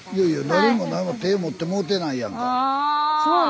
誰も何も手持ってもうてないやんか。